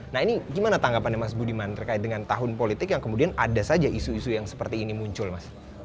nah ini gimana tanggapannya mas budiman terkait dengan tahun politik yang kemudian ada saja isu isu yang seperti ini muncul mas